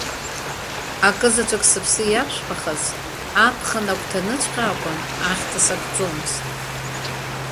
Акы заҵәык сыԥсы иаԥшәмахаз, аԥхын агәҭаныҵәҟьа акәын, ахьҭа сакӡомызт.